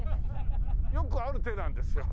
よくある手なんですよ。